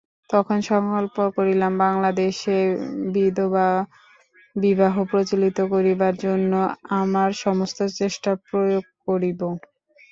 তখন সংকল্প করিলাম, বাংলাদেশে বিধবাবিবাহ প্রচলিত করিবার জন্য আমার সমস্ত চেষ্টা প্রয়োগ করিব।